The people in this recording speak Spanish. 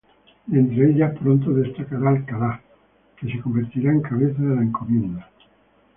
De entre ellas pronto destacará Alcalá, que se convertirá en cabeza de la encomienda.